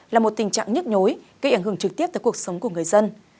là một tình trạng nhức nhối gây ảnh hưởng trực tiếp tới cuộc sống của người dân